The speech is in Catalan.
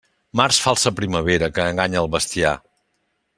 Març falsa primavera que enganya al bestiar.